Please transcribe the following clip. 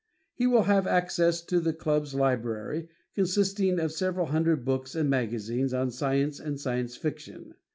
He will have access to the club's library, consisting of several hundred books and magazines on science and Science Fiction.